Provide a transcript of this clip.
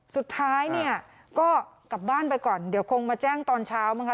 สุดท้ายเนี่ยก็กลับบ้านไปก่อนเดี๋ยวคงมาแจ้งตอนเช้ามั้ย